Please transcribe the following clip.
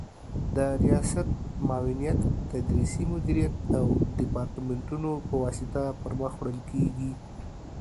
د ریاست، معاونیت، تدریسي مدیریت او دیپارتمنتونو په واسطه پر مخ وړل کیږي